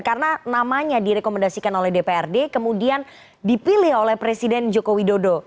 karena namanya direkomendasikan oleh dprd kemudian dipilih oleh presiden jokowi dodo